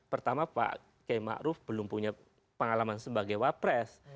pertama pak k ma'ruf belum punya pengalaman sebagai wapres